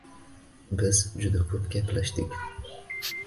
Biz juda ko'p gaplashdik